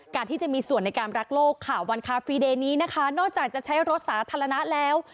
ที่จะมีส่วนในการรักโลกค่ะวันคาฟีเดย์นี้นะคะนอกจากจะใช้รถสาธารณะแล้ว